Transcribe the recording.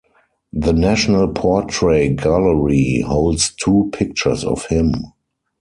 The National Portrait Gallery holds two pictures of him.